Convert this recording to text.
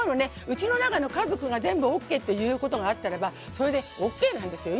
うちの中の家族が全部ＯＫって言うことがあったらばそれでＯＫなんですよ。